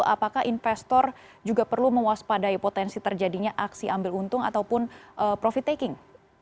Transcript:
apakah investor juga perlu mewaspadai potensi terjadinya aksi ambil untung ataupun profit taking